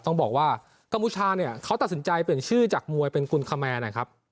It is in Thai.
ต้องบอกว่ากัมพูชาเนี่ยเขาตัดสินใจเปลี่ยนชื่อจากมวยเป็นกุลคแมนนะครับ